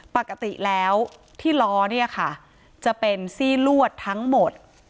ปกติแล้วที่ล้อเนี่ยค่ะจะเป็นซี่ลวดทั้งหมด